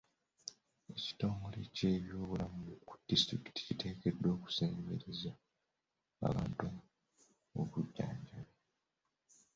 Ekitongole ky'ebyobulamu ku disitulikiti kiteekeddwa okusembereza abantu obujjanjabi.